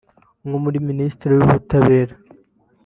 nko muri Minisiteri y’Ubutabera